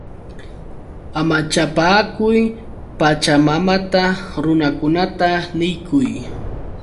¡Amachapaakuy Pachamamata! Runakunata niykuy.